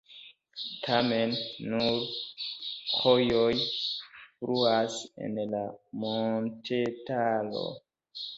Tamen nur rojoj fluas en la montetaro.